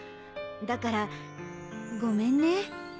だからごめんね。